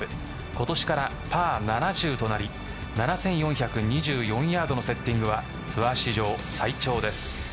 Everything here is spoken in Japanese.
今年からパー７０となり７４２４ヤードのセッティングはツアー史上最長です。